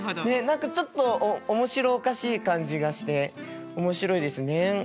何かちょっと面白おかしい感じがして面白いですね。